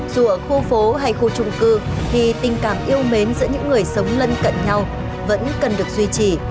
dù ở khu phố hay khu trung cư thì tình cảm yêu mến giữa những người sống lân cận nhau vẫn cần được duy trì